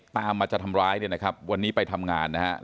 ตามมาจะทำร้ายวันนี้ไปทำงานนะครับ